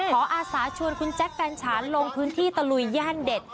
อาสาชวนคุณแจ๊คแฟนฉานลงพื้นที่ตะลุยย่านเด็ด